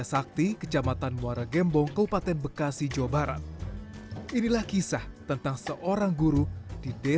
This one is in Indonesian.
sampai jumpa di video selanjutnya